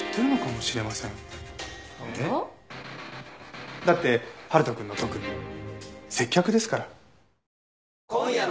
えっ？だって春人くんの特技接客ですから。